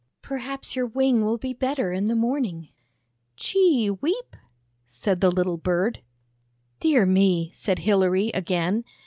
Perhaps your wing will be better in the morning." " Chee weep! " said the little bird. "Dear me!" said Hilary again.